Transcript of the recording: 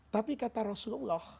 tapi kata rasulullah